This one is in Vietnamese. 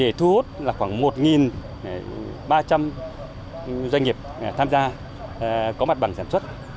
để thu hút khoảng một ba trăm linh doanh nghiệp tham gia có mặt bằng sản xuất